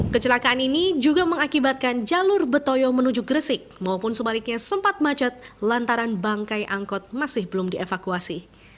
kecelakaan ini juga mengakibatkan jalur betoyo menuju gresik maupun sebaliknya sempat macet lantaran bangkai angkot masih belum dievakuasi